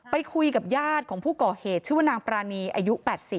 ไปคุยกับญาติของผู้ก่อเหตุชื่อว่านางปรานีอายุ๘๐